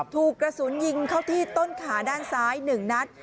ถูกกระสุนยิงเข้าที่ต้นขาด้านซ้าย๑นัด